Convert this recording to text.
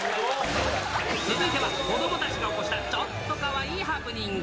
続いては、子どもたちが起こしたちょっとかわいいハプニング。